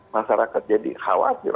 masyarakat jadi khawatir